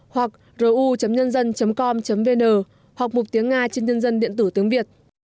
hoặc rou nhân dân com vn hoặc mục tiếng nga trên nhân dân điện tử tiếng việt